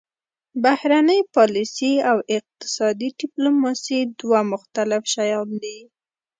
بهرنۍ پالیسي او اقتصادي ډیپلوماسي دوه مختلف شیان دي